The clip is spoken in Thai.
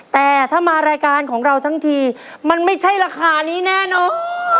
แต่ถ้ามารายการของเราทั้งทีมันไม่ใช่ราคานี้แน่นอน